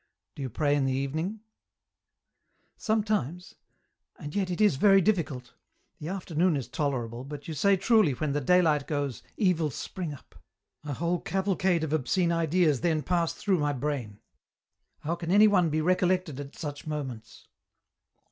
Do you pray in the evening ?"" Sometimes — and yet it is very difficult ; the after noon is tolerable, but you say truly when the daylight goes, evils spring up. A whole cavalcade of obscene ideas then pass through my brain ; how can any one be recollected at such moments